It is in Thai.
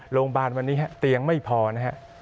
โรงพยาบาลวันนี้ฮะเตียงไม่พอนะฮะ